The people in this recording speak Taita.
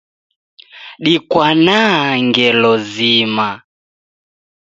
Dikwanaa ngelo zima